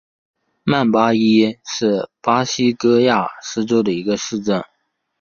曼巴伊是巴西戈亚斯州的一个市镇。